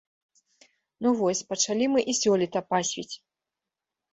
Ну вось, пачалі мы і сёлета пасвіць.